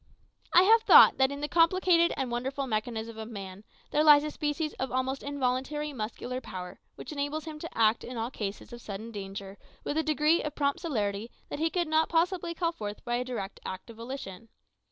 I have thought that in the complicated and wonderful mechanism of man there lies a species of almost involuntary muscular power which enables him to act in all cases of sudden danger with a degree of prompt celerity that he could not possibly call forth by a direct act of volition.